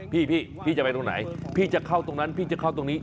พี่พี่จะไปตรงไหนพี่จะเข้าตรงนั้นพี่จะเข้าตรงนี้